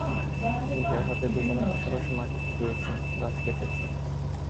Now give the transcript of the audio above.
নিজের হাতে দুজনে পাশাপাশি মাটি কুপিয়েছি, গাছ কেটেছি।